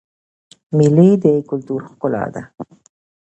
مېلې د کلتور ښکلا ده.